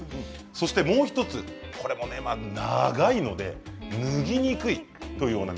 そして、もう１つ長いので脱ぎにくいという問題。